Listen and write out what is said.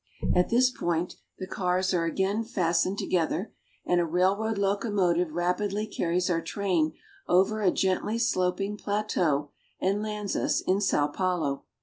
At this point the cars are again fastened together, and a railroad locomotive rapidly carries our train over a gently sloping plateau, and lands us in Sao Paulo.